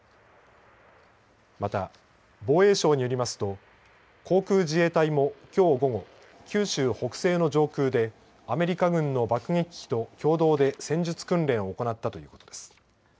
また、防衛省によりますと航空自衛隊もきょう午後九州北勢の上空でアメリカ軍の爆撃と共同で戦術訓練を行ったということです。